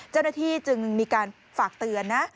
เจ้าหน้าที่จึงมีการฝากเตือนนะ